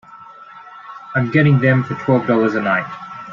I'm getting them for twelve dollars a night.